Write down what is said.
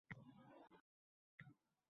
Oyim tag‘in kuladi.